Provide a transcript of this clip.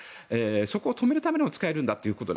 そこを止めるためにも使えるんだと。